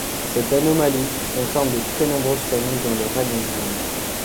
Cette anomalie concerne de très nombreuses familles dans le règne animal.